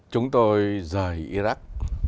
chúng tôi rời iraq